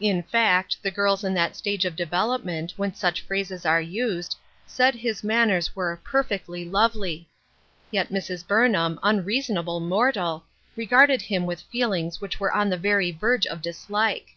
In fact, the girls in that stage of development, when such phrases are used, said THE WISDOM OF THIS WORLD. 1 57 his manners were " perfectly lovely !" Yet Mrs. Burnham, unreasonable mortal, regarded him with feelings which were on the very verge of dislike.